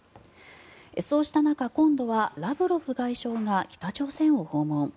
そうした中、今度はラブロフ外相が北朝鮮を訪問。